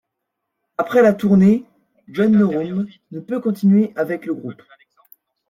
Après la tournée, John Norum ne peut continuer avec le groupe.